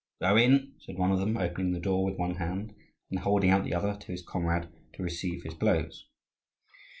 "Go in!" said one of them, opening the door with one hand, and holding out the other to his comrade to receive his blows.